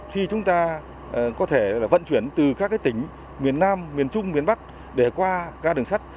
khi chúng ta có thể vận chuyển từ các tỉnh miền nam miền trung miền bắc để qua ga đường sắt